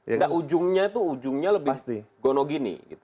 nggak ujungnya itu ujungnya lebih gonogini